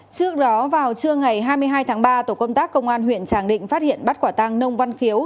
trước đó vào trưa ngày hai mươi hai tháng ba tổ công tác công an huyện tràng định phát hiện bắt quả tăng nông văn khiếu